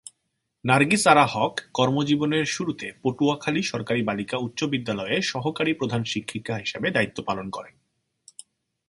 নার্গিস আরা হক কর্মজীবনের শুরুতে পটুয়াখালী সরকারী বালিকা উচ্চ বিদ্যালয়ে সহকারী প্রধান শিক্ষিকা হিসেবে দায়িত্ব পালন করেন।